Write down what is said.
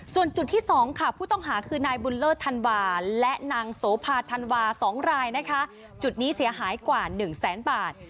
ส่วนจุดที่๒ค่ะผู้ต้องหาคือนายบุญเลิศธันวาและนางโสภาธันวา๒รายนะคะจุดนี้เสียหายกว่า๑แสนบาท